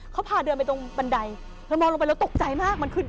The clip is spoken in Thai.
เขาพาเดินไปตรงบันไดแล้วมองลงไปแล้วตกใจมาก